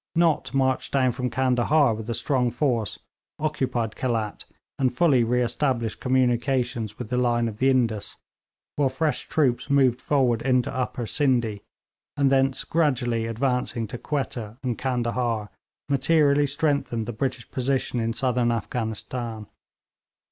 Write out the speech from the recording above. Nott marched down from Candahar with a strong force, occupied Khelat, and fully re established communications with the line of the Indus, while fresh troops moved forward into Upper Scinde, and thence gradually advancing to Quetta and Candahar, materially strengthened the British position in Southern Afghanistan.